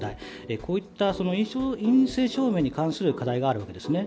こういった陰性証明に関する課題があるんですね。